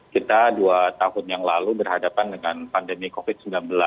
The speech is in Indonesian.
kita dua tahun yang lalu berhadapan dengan pandemi covid sembilan belas